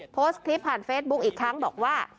โพสต์คลิปผ่านเฟซบุ๊คอีกครั้งบอกว่า